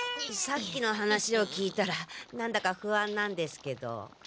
さっきの話を聞いたら何だかふあんなんですけど。